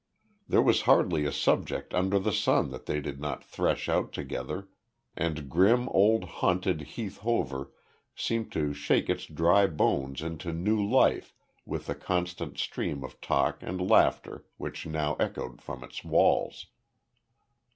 There was hardly a subject under the sun that they did not thresh out together, and grim old haunted Heath Hover seemed to shake its dry bones into new life with the constant stream of talk and laughter which now echoed from its walls.